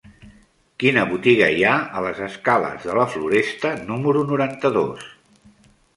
Quina botiga hi ha a les escales de la Floresta número noranta-dos?